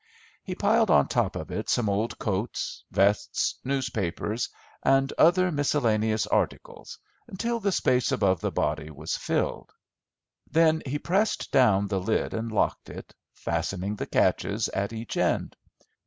He piled on top of it some old coats, vests, newspapers, and other miscellaneous articles until the space above the body was filled. Then he pressed down the lid and locked it, fastening the catches at each end.